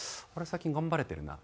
最近頑張れてるな」。